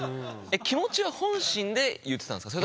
え気持ちは本心で言ってたんですか？